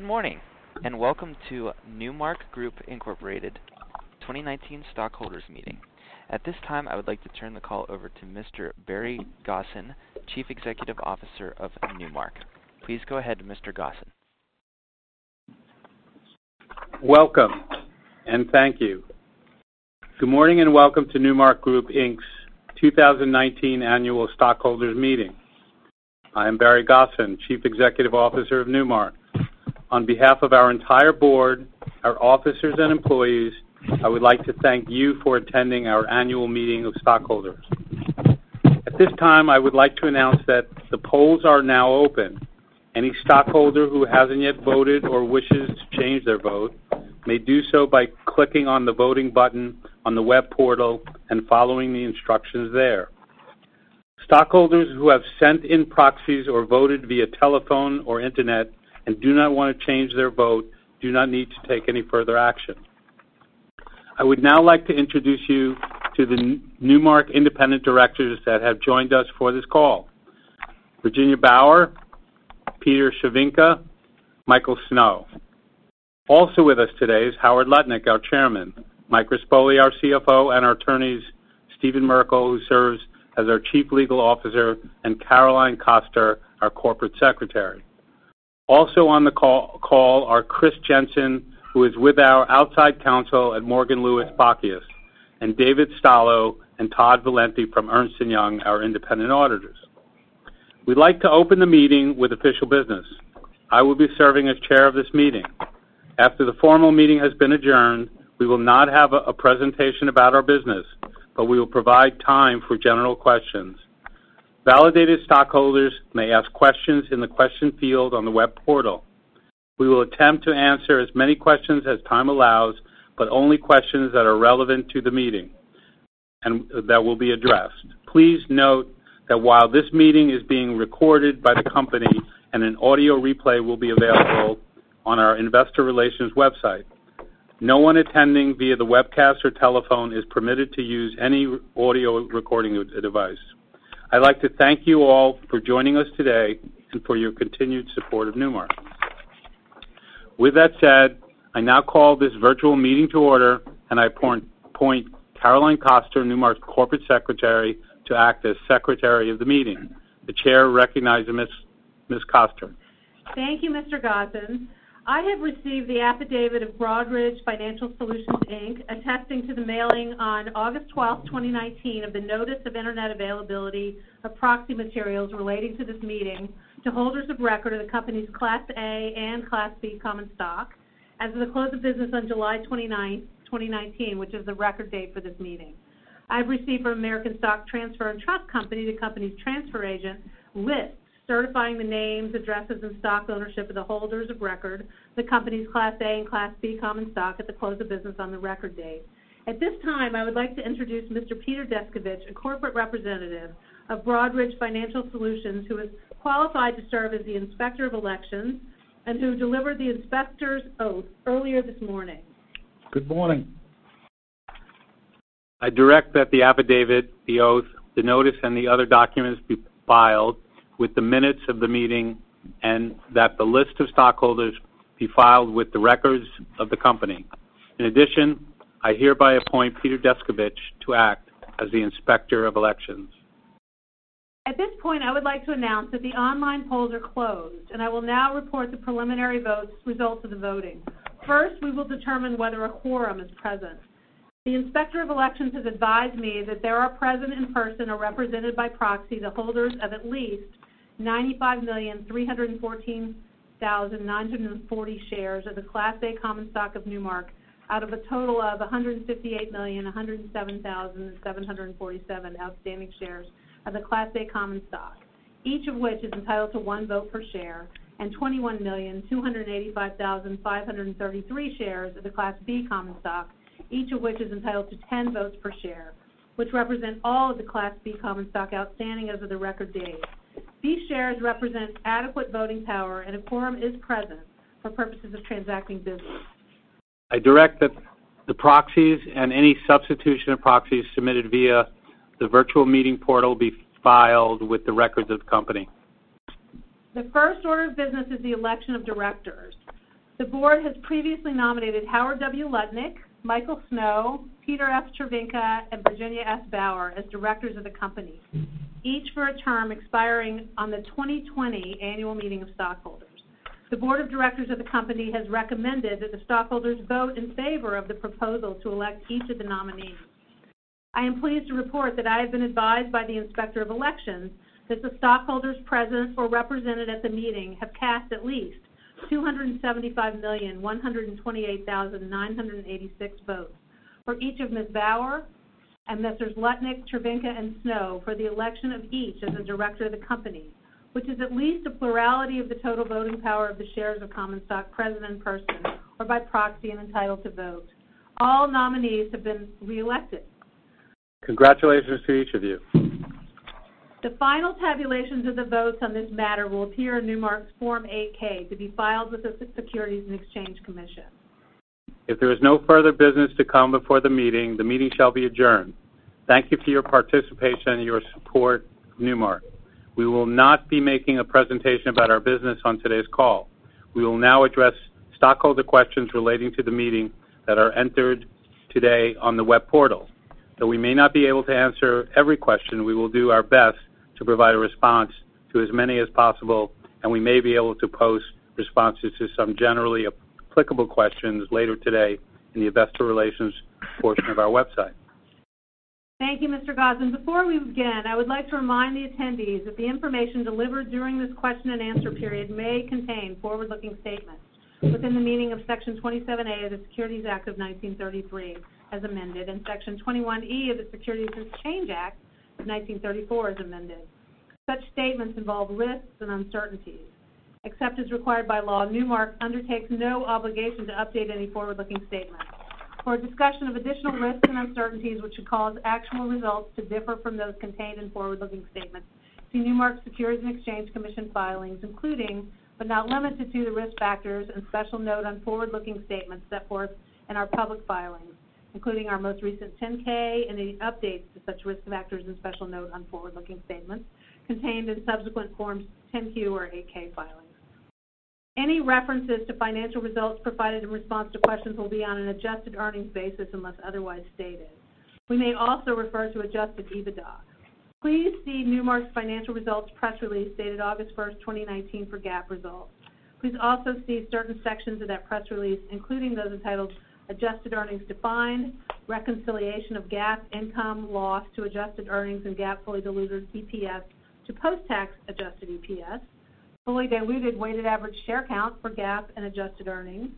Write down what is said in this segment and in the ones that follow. Good morning. Welcome to Newmark Group, Inc. 2019 Stockholders Meeting. At this time, I would like to turn the call over to Mr. Barry Gosin, Chief Executive Officer of Newmark. Please go ahead, Mr. Gosin. Welcome, and thank you. Good morning, and welcome to Newmark Group, Inc.'s 2019 Annual Stockholders Meeting. I am Barry Gosin, Chief Executive Officer of Newmark. On behalf of our entire board, our officers, and employees, I would like to thank you for attending our annual meeting of stockholders. At this time, I would like to announce that the polls are now open. Any stockholder who hasn't yet voted or wishes to change their vote may do so by clicking on the voting button on the web portal and following the instructions there. Stockholders who have sent in proxies or voted via telephone or internet and do not want to change their vote do not need to take any further action. I would now like to introduce you to the Newmark independent directors that have joined us for this call. Virginia Bauer, Peter Cervinka, Michael Snow. Also with us today is Howard Lutnick, our Chairman, Mike Rispoli, our CFO, and our attorneys, Stephen Merkel, who serves as our Chief Legal Officer, and Caroline Koster, our Corporate Secretary. Also on the call are Chris Jensen, who is with our outside counsel at Morgan, Lewis & Bockius, and David Stallo and Todd Valenti from Ernst & Young, our Independent Auditors. We'd like to open the meeting with official business. I will be serving as chair of this meeting. After the formal meeting has been adjourned, we will not have a presentation about our business, but we will provide time for general questions. Validated stockholders may ask questions in the question field on the web portal. We will attempt to answer as many questions as time allows, but only questions that are relevant to the meeting that will be addressed. Please note that while this meeting is being recorded by the company and an audio replay will be available on our investor relations website, no one attending via the webcast or telephone is permitted to use any audio recording device. I'd like to thank you all for joining us today and for your continued support of Newmark. With that said, I now call this virtual meeting to order, and I appoint Caroline Koster, Newmark's Corporate Secretary, to act as secretary of the meeting. The chair recognizes Ms. Koster. Thank you, Mr. Gosin. I have received the affidavit of Broadridge Financial Solutions, Inc., attesting to the mailing on August 12th, 2019 of the notice of internet availability of proxy materials relating to this meeting to holders of record of the company's Class A and Class B common stock as of the close of business on July 29th, 2019, which is the record date for this meeting. I have received from American Stock Transfer & Trust Company, the company's transfer agent, lists certifying the names, addresses, and stock ownership of the holders of record, the company's Class A and Class B common stock at the close of business on the record date. At this time, I would like to introduce Mr. Peter Deskovich, a corporate representative of Broadridge Financial Solutions, who is qualified to serve as the Inspector of Elections and who delivered the inspector's oath earlier this morning. Good morning. I direct that the affidavit, the oath, the notice, and the other documents be filed with the minutes of the meeting and that the list of stockholders be filed with the records of the company. In addition, I hereby appoint Peter Deskovich to act as the Inspector of Elections. At this point, I would like to announce that the online polls are closed, and I will now report the preliminary results of the voting. First, we will determine whether a quorum is present. The Inspector of Elections has advised me that there are present in person or represented by proxy the holders of at least 95,314,940 shares of the Class A common stock of Newmark out of a total of 158,107,747 outstanding shares of the Class A common stock, each of which is entitled to one vote per share, and 21,285,533 shares of the Class B common stock, each of which is entitled to 10 votes per share, which represent all of the Class B common stock outstanding as of the record date. These shares represent adequate voting power, and a quorum is present for purposes of transacting business. I direct that the proxies and any substitution of proxies submitted via the virtual meeting portal be filed with the records of the company. The first order of business is the election of directors. The board has previously nominated Howard W. Lutnick, Michael Snow, Peter F. Cervinka, and Virginia S. Bauer as directors of the company, each for a term expiring on the 2020 annual meeting of stockholders. The board of directors of the company has recommended that the stockholders vote in favor of the proposal to elect each of the nominees. I am pleased to report that I have been advised by the Inspector of Elections that the stockholders present or represented at the meeting have cast at least 275,128,986 votes for each of Ms. Bauer and Messrs. Lutnick, Cervinka, and Snow for the election of each as a director of the company, which is at least a plurality of the total voting power of the shares of common stock present in person or by proxy and entitled to vote. All nominees have been reelected. Congratulations to each of you. The final tabulations of the votes on this matter will appear in Newmark's Form 8-K to be filed with the Securities and Exchange Commission. If there is no further business to come before the meeting, the meeting shall be adjourned. Thank you for your participation and your support of Newmark. We will not be making a presentation about our business on today's call. We will now address stockholder questions relating to the meeting that are entered today on the web portal. Though we may not be able to answer every question, we will do our best to provide a response to as many as possible, and we may be able to post responses to some generally applicable questions later today in the investor relations portion of our website. Thank you, Mr. Gosin. Before we begin, I would like to remind the attendees that the information delivered during this question and answer period may contain forward-looking statements within the meaning of Section 27A of the Securities Act of 1933, as amended, and Section 21E of the Securities Exchange Act of 1934, as amended. Such statements involve risks and uncertainties. Except as required by law, Newmark undertakes no obligation to update any forward-looking statements. For a discussion of additional risks and uncertainties which could cause actual results to differ from those contained in forward-looking statements, see Newmark Securities and Exchange Commission filings, including, but not limited to, the risk factors and special note on forward-looking statements set forth in our public filings, including our most recent 10-K and any updates to such risk factors and special note on forward-looking statements contained in subsequent Forms 10-Q or 8-K filings. Any references to financial results provided in response to questions will be on an adjusted earnings basis unless otherwise stated. We may also refer to adjusted EBITDA. Please see Newmark's financial results press release dated August 1st, 2019, for GAAP results. Please also see certain sections of that press release, including those entitled "Adjusted Earnings Defined," "Reconciliation of GAAP Income/Loss to Adjusted Earnings and GAAP Fully Diluted EPS to Post-Tax Adjusted EPS," "Fully Diluted Weighted Average Share Count for GAAP and Adjusted Earnings,"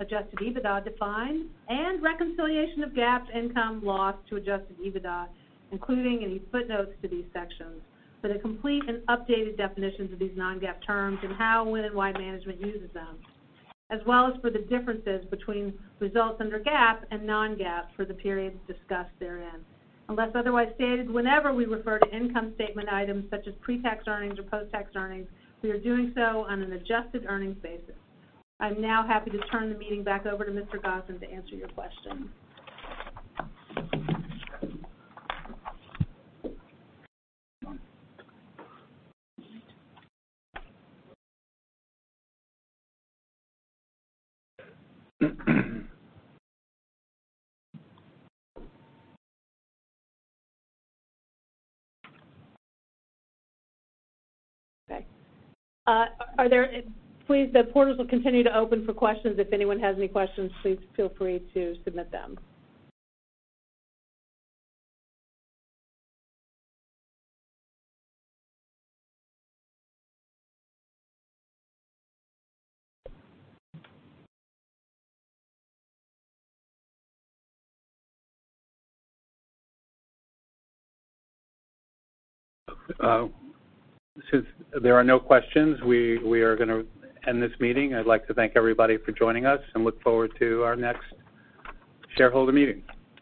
"Adjusted EBITDA Defined," and "Reconciliation of GAAP Income/Loss to Adjusted EBITDA," including any footnotes to these sections for the complete and updated definitions of these non-GAAP terms and how, when, and why management uses them, as well as for the differences between results under GAAP and non-GAAP for the periods discussed therein. Unless otherwise stated, whenever we refer to income statement items such as pre-tax earnings or post-tax earnings, we are doing so on an adjusted earnings basis. I'm now happy to turn the meeting back over to Mr. Gosin to answer your questions. Okay. Please, the portals will continue to open for questions. If anyone has any questions, please feel free to submit them. Since there are no questions, we are going to end this meeting. I'd like to thank everybody for joining us and look forward to our next shareholder meeting.